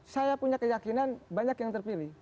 saya punya keyakinan banyak yang terpilih